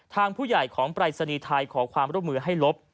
ทางผู้ใหญ่ของปรายศนีย์ไทยขอความร่วมมือให้ลบ